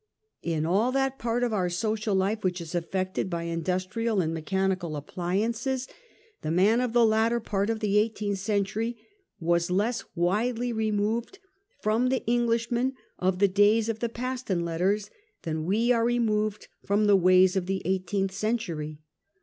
In all that part of our social life which is affected by industrial and mechanical appliances, the man of the latter part of the eighteenth century was less widely removed from the Englishman of the days of the Paston Letters than we are removed from the ways of the eighteenth century.